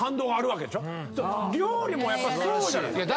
料理もやっぱりそうじゃない。